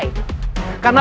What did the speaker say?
karena penuhnya saya suka ini